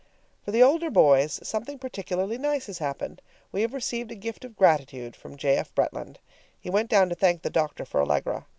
For the older boys something particularly nice has happened; we have received a gift of gratitude from J. F. Bretland. He went down to thank the doctor for Allegra.